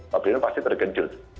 pak presiden pasti terkejut